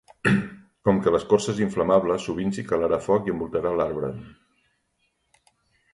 Com que l'escorça és inflamable, sovint s'hi calarà foc i envoltarà l'arbre.